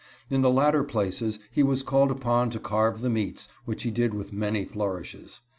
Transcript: In the latter places he was called upon to carve the meats, which he did with many flourishes.